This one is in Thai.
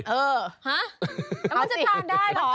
เออฮะแล้วมันจะทานได้เหรอ